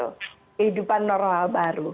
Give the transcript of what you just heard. kehidupan normal baru